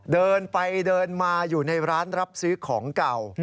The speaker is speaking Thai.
เดินไปเดินมาอยู่ในร้านรับซื้อของเก่า